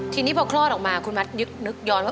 ทีนี้พอคลอดออกมาคุณมัดนึกย้อนว่า